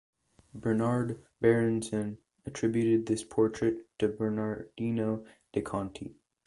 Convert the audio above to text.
Bernard Berenson attributed this portrait to Bernardino de' Conti.